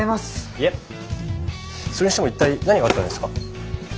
いえそれにしても一体何があったんですか？